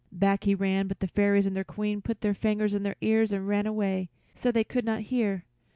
Back he ran, but the fairies and their Queen put their fingers in their ears and ran away, so they could not hear.